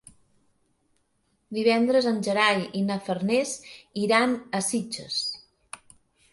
Divendres en Gerai i na Farners iran a Sitges.